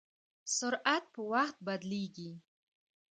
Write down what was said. سرعت په وخت بدلېږي.